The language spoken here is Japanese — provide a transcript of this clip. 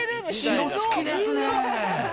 白、好きですね。